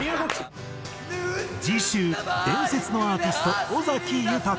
次週伝説のアーティスト尾崎豊。